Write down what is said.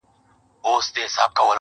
او زما د غرونو غم لړلې کيسه نه ختمېده؛